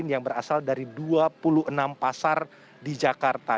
yang berasal dari dua puluh enam pasar di jakarta